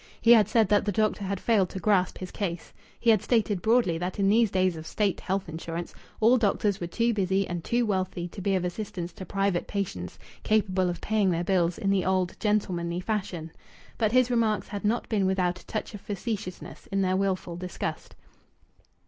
He had said that the doctor had failed to grasp his case. He had stated broadly that in these days of State health insurance all doctors were too busy and too wealthy to be of assistance to private patients capable of paying their bills in the old gentlemanly fashion. But his remarks had not been without a touch of facetiousness in their wilful disgust.